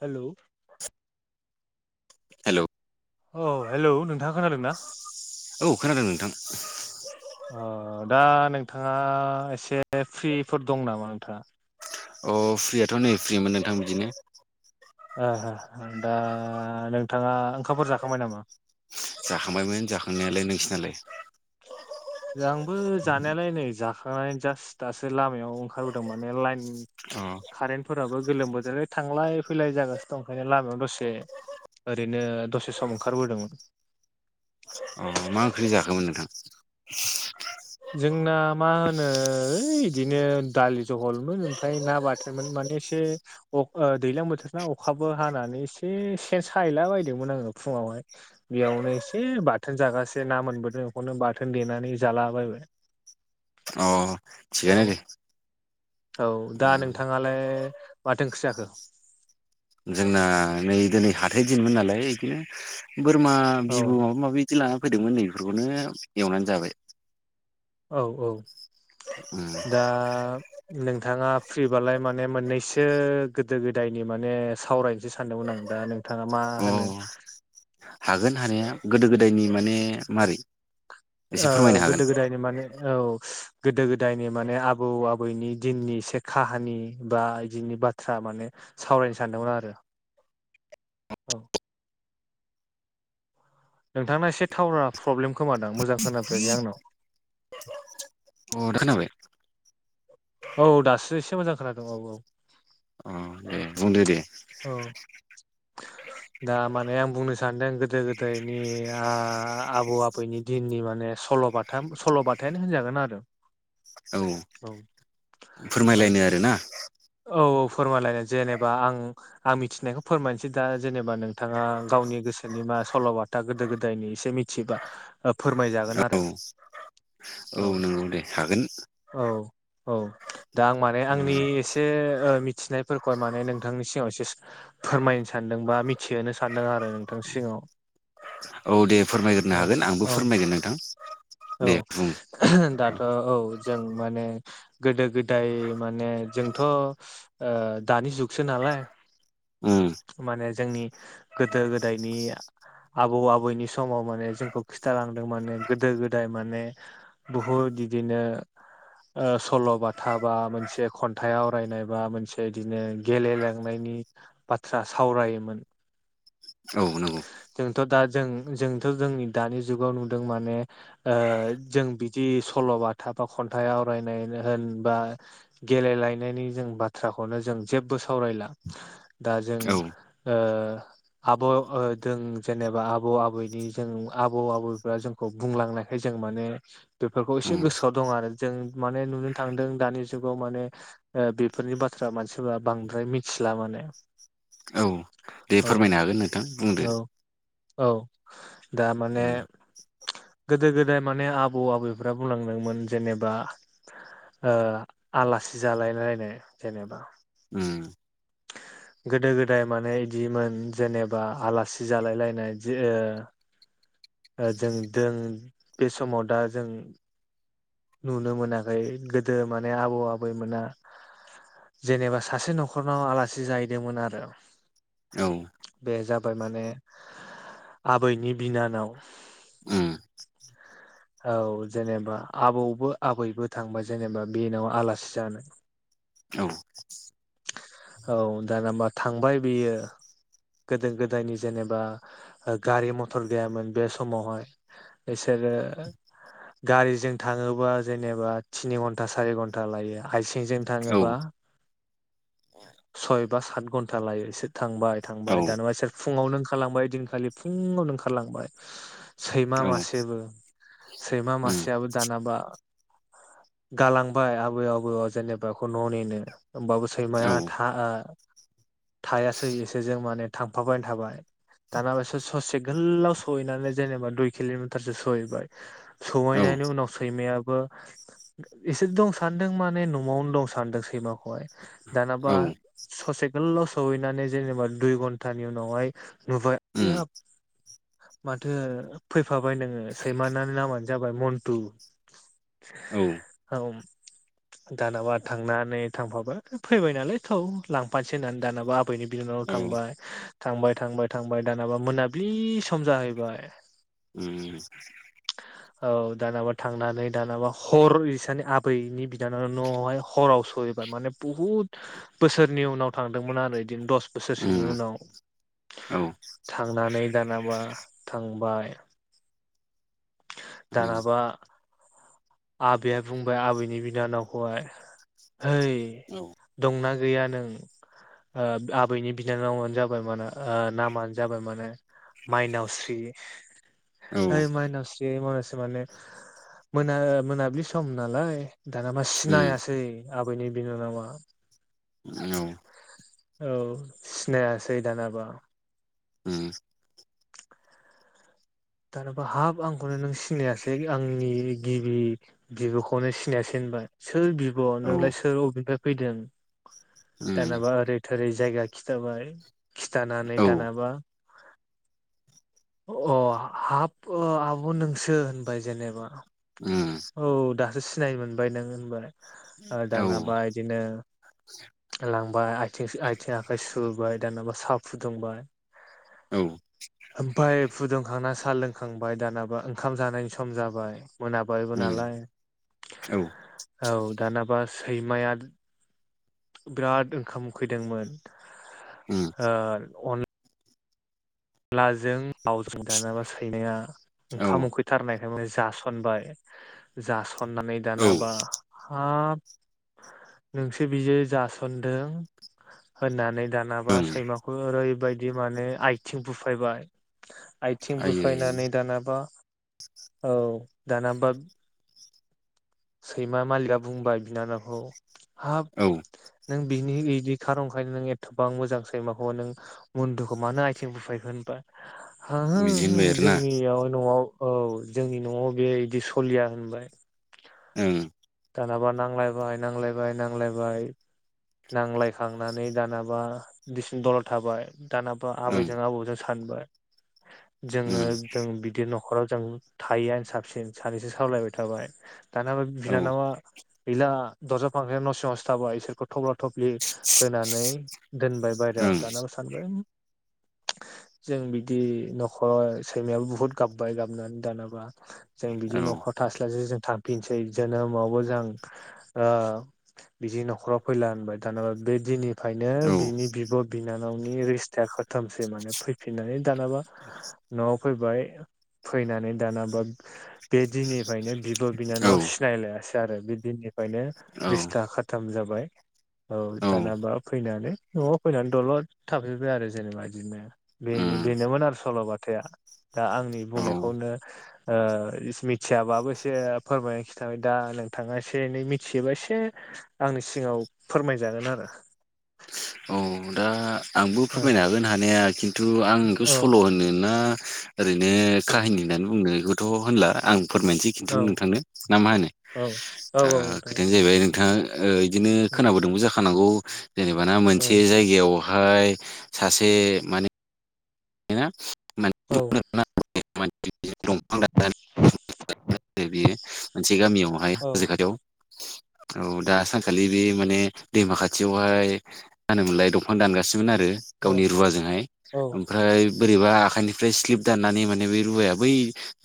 हेल' hello औ hello नोंथाङा खोनादों ना? औ [unintelligible] अ दा नोंथाङा एसे फ्रिफोर दं नामा नोंथाङा? अ फ्रियाथ' नै फ्रिमोन नोंथां बिदिनो। ओहो दा नोंथाङा ओंखामफोर जाखांबाय नामा? जाखांबायमोन जाखांनायालाय, नोंसिनालाय? आंबो जानायालाय नै जाखांनानै जास्ट दासो लामायाव ओंखारबोदों माने लाइन अ फोराबो गोलोम बोदोरै थांलाय फैलाय जागासिनो दं ओंखायनो लामायाव दसे ओरैनो दसे सम ओंखारबोदोंमोन। उम मा ओंख्रिनि जाखोमोन नोंथां? जोंना मा होनो ओइ इदिनो दालि जहलमोन ओमफ्राय ना बाथोमोन माने एसे अ ओ दैलां बोथोर ना अखाबो हानानै एसे सेन साहैला बायदोंमोन आङो फुंङाव ङावहाय बेयावनो एसे बाथोन जागासे ना मोनबोदों। बेखौनो बाथोन देनानै जालाबायबाय। अ [inaudible] थिगानो दे। औ दा उम नोंथाङालाय माथो ओंख्रि जाखो? जोंना नै दिनै हाथाय दिनमोन नालाय इदिनो बोरमा औ बिबु माबा माबि इदि लाना फैदोंमोन नै बेफोरखौनो एवनानै जाबाय। औ औ, उम दा नोंथाङा फ्रिबालाय माने मोननैसो गोदो गोदायनि माने सावरायनोसो सानदोंमोन। दा नोंथाङा मा अ होनो? हागोन हानाया गोदो गोदायनि माने मारै? एसे ओ, फोरमायनो हागोन गोदो गोदायनि माने औ। गोदो गोदायनि माने आबौ आबौनि दिननि एसे काहानि बा इदिनि बाथ्रा माने सावरायनो सानदोंमोन आरो। औ। नोंथांना एसे टावारा प्रब्लेम खोमादां मोजां खोनाफैयाखै आंनाव। अ दा खोनाबाय? औ दासो एसे मोजां खोनादोंं। औ औ। अ दे बुंदो दे औ [unintelligible] दा माने आं बुंनो सानदों गोदो गोदायनि आ आबौ आबैनि दिननि माने स'बाथाम सल'बाथायानो होनजागोन आरो। औ। औ मानो फोरमायलायनो आरोना। औ औ फोरमायलायनो जेनेबा आं आं मिथिनायखौ फोरमायनोसै दा जेनेबा नोंथाङा गावनि गोसोनिबा मा सल'बाथा गोदो गोदायनि एसे मिथिबा ओ फोरमायजागोन औ आरो। औ दे हागोन औ औ दा आं माने उम आंनि एसे ए ओ मिथिनायफोरखौ माने नोंथांनि सिगाङाव एसे फोरमायनो सानदों बा मिथिहोनो सानदों आरो नोंथां सिङाव औ दे फोरमायग्रोनो हागोन आंबो औ फोरमायगोन नोंथां दे बुं ओ औ जों माने गोदो गोदाय माने जों थ' ओ दानि जुगसो नालाय उम माने जोंनि गोदो गोदायनि आबौ आबैनि समाव माने जोंखौ खिन्थालांदों माने गोदो गोदाय माने बुहुद बिदिनो ओ सल'बाथा बा मोनसे खन थाइ आवरायनाय बा मोनसे बिदिनो गेलेलांनायनि बाथ्रा सावरायोमोन [inaudible] औ नंगौ। जोंथ' दा जों जोंथ' जोंनि दानि जुगाव नुदों माने ओ जों बिदि बे सल'बाथा बा खनथाय आवरायनायानो होनबा गेलेलाय नायनि जों बाथ्राखौनो जों जेबो सावरायला दा जों औ ओ आबौ ओ दों जेनेबा आबौ आबौनि जों आबौ आबौफ्रा जोंखौ बुंलांनायखाय जों जों माने बेफोरखौ एसे उम गोसोआव दं आरो जों माने नुनो थांदों दानि जुगाव माने ओ बेफोरनि बाथ्रा मानसिफोरा बांद्राय मिथिला माने औ दे औ फोरमायनो हागोन नोंथां बुंदो औ औ दा माने उम गोदो-गोदाय माने आबौ आबैफ्रा बुंलांदोंमोन जेनेबा ओ आलासि जालायलायनाय जेनेबा उम [unintelligible] गोदो-गोदाय माने इदिमोन जेनेबा आलासि जालायलायनाय जे ओ ओ जों दों बे समाव दा जों नुनो मोनाखै गोदो माने आबौ आबैमोना जेनेबा सासे न'खरनाव आलासि जाहैदोंमोन आरो औ बे जाबाय माने आबैनि बिनानाव उम औ जेनेबा आबौबो आबैबो थांबा जेनेबा बेनाव आलासि जानो औ औ दानबा थांबाय बेयो गोदो-गोदायनि जेनेबा ओ गारि मथर गैयामोन बे समावहाय एसे ओ गारिजों थाङोबा जेनेबा थिनि घन्टा सारि घन्टा लायो हाइसिंजों औ थाङोबा [unintelligible] सयबा सात घन्टा लायो इसोर थांबाय औ थांबाय दानबा इसोर फुङावनो ओंखारलांबाय दिनखालि फुङाव आवनो ओंखारलांबाय सैमा औ मासे बो सैमा उम मासेयाबो जानाबा गालांबाय आबै आबौआव जेनेबा बेखौ न' नेनो होमबाबो सैमाया औ था आ थायासै इसोरजों माने थांफाबाय थाबाय दाना बे ससे गोलाव सहैनानै जेनेबा दुइ किल'मिटारसो सहैबाय औ सहैनायनि उनाव सैमायाबो एसे दं सान्दों माने न'आवनो दं सानदों सैमाखौहाय दानाबा उम ससे गोलाव' सहैनानै जेनेबा दुइ घन्टानि उनावहाय नुबायाब माथो फैफाबाय नोङो सैमानानि नामानो जाबाय मन्तु औ औ दानाबा थांनानै थांफाबाय फैबाय नालाय थ' लांफानोसै होननानै दानाबा आबैनि बिना औ उम औ थांबाय थांबाय थांबाय थांबाय दानाबा मोनाब्लि सम जाहैबाय उम औ दानाबा थांनानै दानाबा हर इसानि आबैनि बिनानावा न'आवहाय हराव सहैबाय माने बुहुद बहुद बोसोरनि उनाव थांदोंमोन आरो बिदिनो दस बोसोरसोनि उनाव औ थांनानै दानाबा थांबाय उम दानाबा आबैया बुंबाय आबैनि बिनानावखौहाय हैै औ दंना गैया नों ओ आबैनि बिनानावानो जाबाय माना नामानो जाबाय माने माइनावस्रि उम औ उम ओइ माइनावस्रि माइनावसि माने मोना मोनाब्लि सम नालाय दाना बा सिनायासै आबैनि बिनानावा औ उम औ उम औ औ सिनायासै दानाबा दानाबा हाब आंखौनो नों सिनायासै आंनि गिबि बिब'खौनो सिनायासै बाय सोर बिब' नोंलाय सोर अबेनिफ्राय फैदों दानाबा ओरै थोरै जायगा खिथाबाय खिथानानै दानाबा अ हाब आब' नोंसो होनबाय जेनेबा औ दासो सिनायनो मोनबाय नों होनबाय दानाबा इदिनो लांबाय आथिं आखाइ सुबाय दानाबा साहा फुदुंबाय औ ओमफ्राय फुदुंखांना साल लोंखांबाय दानाबा ओंखाम जानायनि सम जाबाय मोना बायबो नालाय औ दानाबा सैमाया बिराद ओंखाम उखैदोंमोन उम ओ अ अलाजों लावजों दानाबा सैनाया औ औ ओंखाम उखैथारनायखाय जासनबाय जासननानै दानाबा हाब नोंसो बिदि जासनदों होननानै दानाबा ओं सैमाखौ ओरैबायदि माने आइ आथिं बुफायबाय आथिं आयै बुफायनानै दानाबा औ दाना बा सैमा मालिकआ बुंबाय बिनानावखौ हाब औ नों बिनि बिदि खारनखायनो नों एथ'बां मोजांसैमाखौ नों मन्दुखौ मानो आइथिं बुफायखो होनबा ह बिदि हो होनबाय आरोना जोंनियाव न'आव औ जोंनि न'आव बे बिदि सलिया होनबाय ओं दानाबा नांलायबाय नांलायबाय नांलायबाय नांलायखांनानै दानाबा बिसिन दलद थाबाय दानाबा ओं आबैजों आबौजों सानै [inaudible] जोङो उम जों बिदि न'खराव जों थायोआनो साबसिन सानैसो सावलायबाय थाबाय दानाबा औ ओं बिनानावा गैला दरजा फांथेनानै न' सिङावसो थाबाय बिसोरखौ थफ्ला थफ्लि होनानै दोनबाय बाय औ बायाव दानाबा सानबाय [inaudible] जों बिदि न'खराव सैमायाबो बुहुत गाबबाय गाबनानै दानाबा जों बिदि न'खर थास्लाइ स्लाय जों थांफिननोसै जोनोमावबो जों ओ बिदि न'खराव फैला होनबाय दानाबा बे दिननिफ्रायनो बिनि बिब' बिनानावनि रिस्टाखौ खथामसै माने फैफिननानै दानाबा न'आव फैबाय फैनानै दाना बा बे दिननिफ्रायनो बिब' औ बिनानाव सिनायलायासै आरो बि दिननिफ्रायनो औ रिस्था खाथाम जाबाय। औ दानाबा फैनानै न'आव फैनानै दलद थाफैबाय आरो जेनेबा बिदिनो बे उम बेनोमोन आरो सल'बाथाया। दा आंनि औ बुंनायखौनो ओ इस मिथियाबाबो एसे फोरमाय थाबाय दा नोंथाङा एसे एनै मिथियोबा एसे आंनि सिगाङाव फोरमायजागोन आरो। [unintelligible] औ दा आंबो औ फोरमायनो हागोन हानाया खिन्थु आं बेखौ सल' होनो ना ओरैनो काहानि होननानै बुंनायखौथ' होनला आं फोरमायनोसै खिन्थु औ नोंथांनो ना मा होनो औ ओ औ नोंथां खोथायानो जाहैबाय नोंथाङा ओ बिदिनो खोनाबोदोंबो जाखानांगौ जेनेबा ना औ मोनसे जायगायाव हाय सासे माने हेना। औ [unintelligible] मोनसे गामियावहाय औ हाजो खाथियाव। [unintelligible] औ दा सानखालि बे माने दैमा खाथियावहाय मा होनोमोनलाय दंफां दानगासि नोमोन आरो औ गावनि रुवाजोंहाय औ ओमफ्राय बोरैबा आखाइनिफ्राय स्लिप दाननानै माने बे रुवाया बै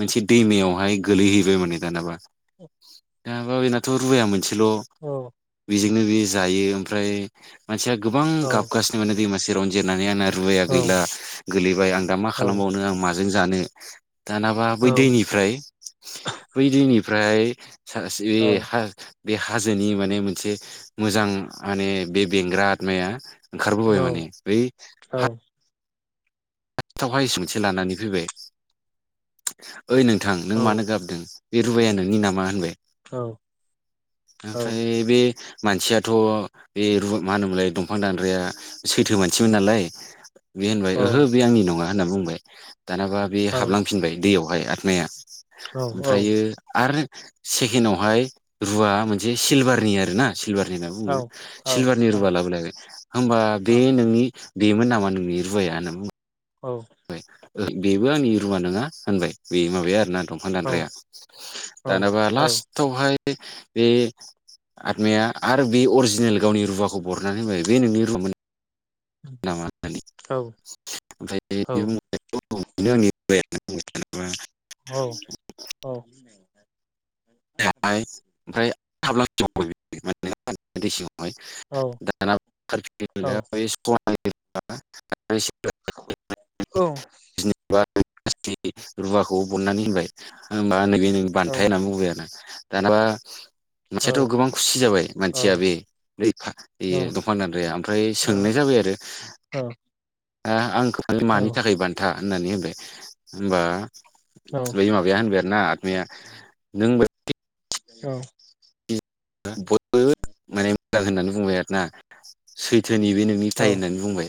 मोनसे दैमायावहाय गोलैहैबाय माने दानाबा दानाबा बेनाथ' रुवाया मोनसे ल' औ बेजोंनो बे जायो ओमफ्राय मानसिया गोबां गाबगासिनो माने दैमा से रावनो जिरनानै आंना रुवाया गैला गोलैबाय आं दा मा खालामबावनो आं माजों जानो। दानाबा बै दैनिफ्राय बै दैनिफ्राय सासे हा बे हाजोनि माने मोनसे मोजां माने बे बेंग्रा आतमाया। ओंखारबोबाय माने बै हा [unintelligible] लानानै फैबाय ओइ नोंथां नों मानो औ गाबदों? बे रुवाया नोंनि नामा होनबाय। ओमफ्राय बे मानसियाथ' बे रु मा होनोमोनलाय दंफां दानग्राया सैथो मानसिमोन नालाय। बे होनबाय ओहो बे आंनि नङा होनना बुंबाय दानाबा बे हाबलांफिनबाय दैयावहाय आतमाया। ओमफ्रायो आरो सेकेणडआवहाय रुवा मोनसे सिलभारनि आरो ना। सिलभारनि होनना बुङो सिलभारनि रुवा लाबोलायबाय होमबा बे नोंनि बेमोन नामा नोंनि रुवाया होनना बुं बाय बेबो आंनि रुवा नोङा होनबाय बे माबाया आरोना दंफां दानग्राया दानाबा लास्टआवहाय बे आतमाया आरो बे अरिजिनेल गावनि रुवाखौ बरनानै होबाय बे नोंनि रुवा मोन [unintelligible] औ बेनो आंनि रुवाया होननानै बुंबाय दानाबा औ-औ। [unintelligible] [unintelligible] औ। [unintelligible] रुवाखौ बरननानै होनबाय होनबा नैबे नोंनि बान्थाया होननानै बुंबाय आरो। दानाबा मानसियाथ' गोबां खुसि जाबाय मानसिया बे दंफां दान्द्राया ओमफ्राय सोंनाय जाबा आरो आंखौ मानि मानि थाखाय बान्था? होननानै होनबाय होमबा बै माबाया होनबाय आरो ना आतमाया नों औ। बयबोबो माने मोजां होननानै बुंबाय आरोना सै थोनि बे नोंनि फिथाइ होननानै बुंबाय।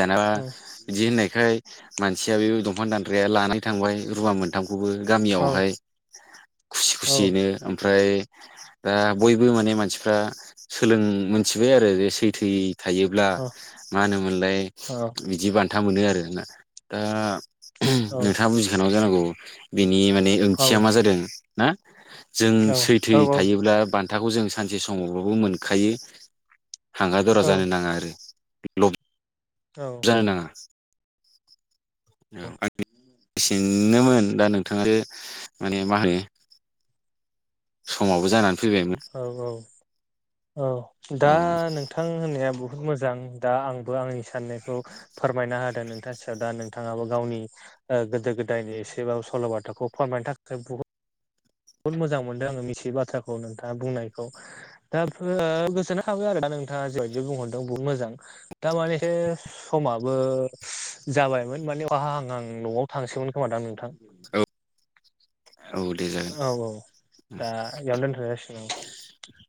दानाबा बिदि होननायखाय मानसिया बे दंफां दानद्राया लानाय थांबाय रुवा मोनथाम खौबो गामियावहाय खुसि खुसियैनो ओमफ्राय दा बयबो माने मानसिफ्रा सोलों मिथिबाय आरो जे सैथोयै थायोब्ला मा होनोमोनलाय बिदि बान्था मोनो आरो दा नोंथाङा बुजिखानांगौ जानांगौ बेनि माने ओंथिया मा जादों ना जों सैथोयै दा बान्थाखौ जों सानसे समावबाबो मोनखायो हांगा दरा जानो नाङा आरो। लब जानो नाङा। [inaudible] औ आंनि। फिननोमोन दा नोंथाङासो माने मा होनो समावबो जानानै फैबायमोन औ औ। औ दा नोंथां होननाय बुह मोजां दा आंबो आंनि साननायखौ फोरमायना होदों नोंथां सायाव दा नोंथाङाबो गावनि ओ गोदो गोदायनि एसेबाब सल'बाथाखौ फोरमायनो थाखाय बुहुत बुहुद मोजां मोनदों आङो मियै बाथ्राखौ नोंथाङा बुंनायखौ दा ओ गोसोनोखाङो आरो दा नोंथाङा जेबादि बुंहरदों बुहुत मोजां दा माने समाबो जाबायमोन माने बहा आं आं न'आव थांसोमोन खोमा दांं नोंथां। औ। दे जागोन औ औ दा जबेयावनो दोन्थ'नाय जासिगोन आं।